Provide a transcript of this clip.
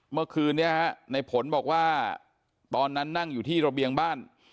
เมื่อคืนนี้ฮะในผลบอกว่าตอนนั้นนั่งอยู่ที่ระเบียงบ้าน